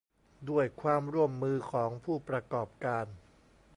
ด้วยความร่วมมือของผู้ประกอบการ